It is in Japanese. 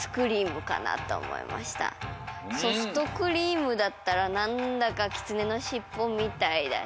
ソフトクリームだったらなんだかきつねのしっぽみたいだし。